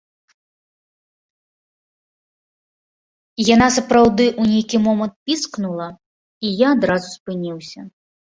Яна сапраўды ў нейкі момант піскнула, і я адразу спыніўся.